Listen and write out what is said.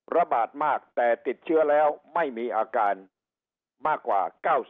ระบาดมากแต่ติดเชื้อแล้วไม่มีอาการมากกว่า๙๐